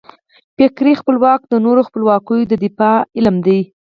فکري خپلواکي د نورو خپلواکیو د دفاع علم دی.